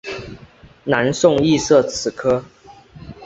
南宋亦设此科。